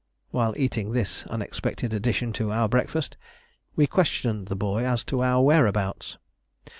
While eating this unexpected addition to our breakfast, we questioned the boy as to our whereabouts.